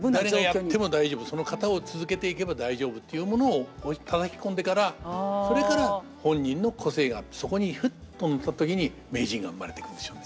その型を続けていけば大丈夫っていうものをたたき込んでからそれから本人の個性がそこにふっと乗った時に名人が生まれてくるんでしょうね。